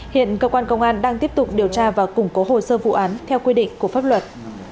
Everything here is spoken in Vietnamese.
hiện cơ quan công an đang tiếp tục điều tra và củng cố hồ sơ vụ án theo quy định của pháp luật